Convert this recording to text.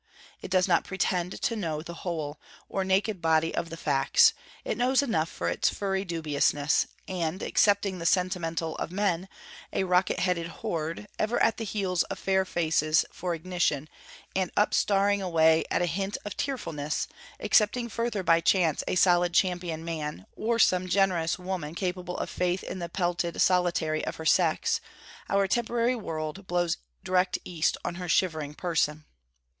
It does not pretend to know the whole, or naked body of the facts; it knows enough for its furry dubiousness; and excepting the sentimental of men, a rocket headed horde, ever at the heels of fair faces for ignition, and up starring away at a hint of tearfulness; excepting further by chance a solid champion man, or some generous woman capable of faith in the pelted solitary of her sex, our temporary world blows direct East on her shivering person.